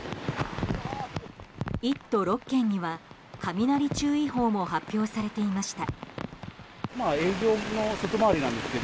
１都６県には雷注意報も発表されていました。